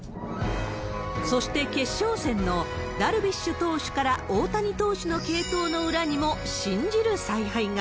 そして、決勝戦のダルビッシュ投手から大谷投手の継投の裏にも信じる采配